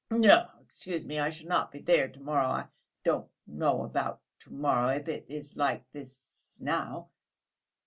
"No, excuse me, I shall not be there to morrow; I don't know about to morrow, if it is like this now...."